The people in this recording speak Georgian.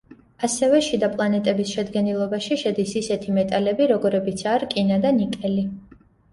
ასევე შიდა პლანეტების შედგენილობაში შედის ისეთი მეტალები, როგორებიცაა რკინა და ნიკელი.